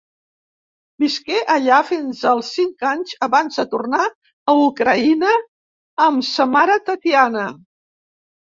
Visqué allà fins als cinc anys abans de tornar a Ucraïna amb sa mare Tatiana.